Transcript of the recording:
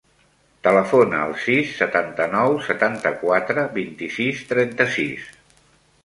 Telefona al sis, setanta-nou, setanta-quatre, vint-i-sis, trenta-sis.